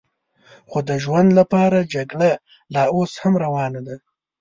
خو د ژوند لپاره جګړه لا اوس هم روانه ده.